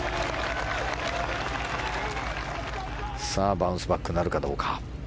バウンスバックなるかどうか。